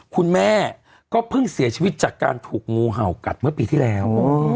คุณแม่ก็เพิ่งเสียชีวิตจากการถูกงูเห่ากัดเมื่อปีที่แล้ว